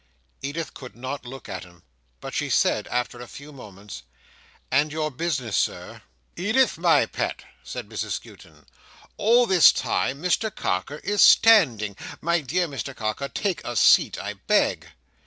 Edith could not look at him, but she said after a few moments. "And your business, Sir—" "Edith, my pet," said Mrs Skewton, "all this time Mr Carker is standing! My dear Mr Carker, take a seat, I beg."